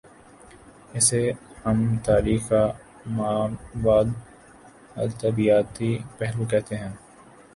اسے ہم تاریخ کا ما بعد الطبیعیاتی پہلو کہتے ہیں۔